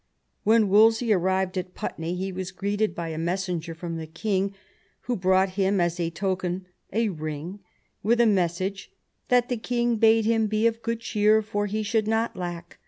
When Wolsey arrived at Putney ie was greeted by a messenger from the king, who brought him as a token a ring, with a> message " ihsit the king bade him be of good cheer, for he should not lack.